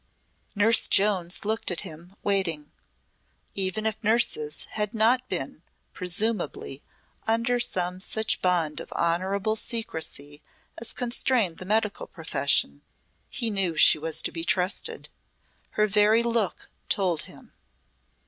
Nurse Jones looked at him, waiting. Even if nurses had not been, presumably, under some such bond of honourable secrecy as constrained the medical profession, he knew she was to be trusted. Her very look told him.